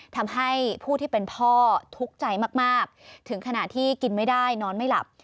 ทำให้ผู้ที่เป็นพ่อทุกข์ใจมากถึงขณะที่กินไม่ได้นอนไม่หลับ